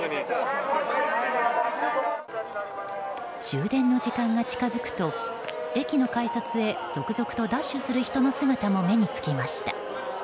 終電の時間が近づくと駅の改札へ続々とダッシュする人の姿も目に付きました。